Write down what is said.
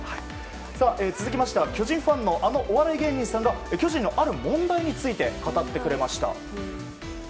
続いて巨人ファンのお笑い芸人さんが巨人のある問題について語ってくれました。